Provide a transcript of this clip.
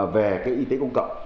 về cái y tế công cộng